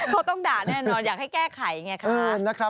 เขาต้องด่าแน่นอนอยากให้แก้ไขไงคะ